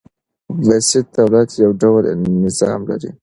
بسیط دولت يو ډول نظام لري.